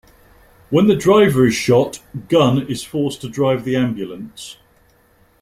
When the driver is shot, Gunn is forced to drive the ambulance.